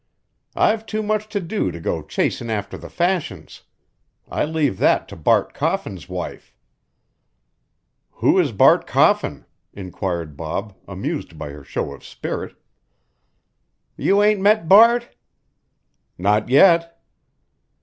I've too much to do to go chasin' after the fashions. I leave that to Bart Coffin's wife." "Who is Bart Coffin?" inquired Bob, amused by her show of spirit. "You ain't met Bart?" "Not yet."